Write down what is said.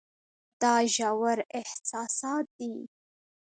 دا ژور احساسات دي.